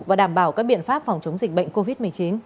và đảm bảo các biện pháp phòng chống dịch bệnh covid một mươi chín